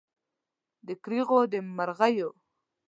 د کرغیو د مرغیو